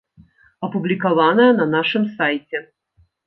Апублікаванае на нашым сайце.